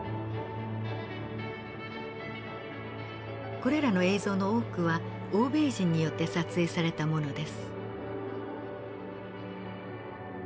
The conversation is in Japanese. これらの映像の多くは欧米人によって撮影されたものです。